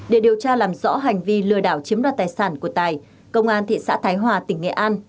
để điều tra làm rõ hành vi lừa đảo chiếm đoạt tài sản của tài công an thị xã thái hòa tỉnh nghệ an